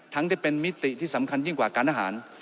ที่เป็นมิติที่สำคัญยิ่งกว่าการทหาร